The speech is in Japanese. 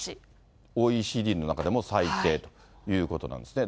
ＯＥＣＤの中でも最低ということなんですね。